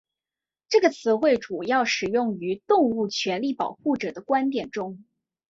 这个词汇主要使用于动物权利保护者的观点中。